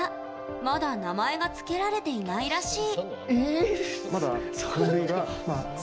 まだ名前が付けられていないらしい。